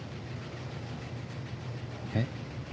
えっ？